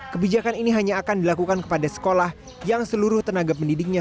kebijakan ini hanya akan dilakukan kepada sekolah yang seluruh tenaga pendidiknya